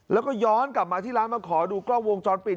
แล้วก็ย้อนกลับมาที่ร้านมาขอดูกล้องวงจรปิด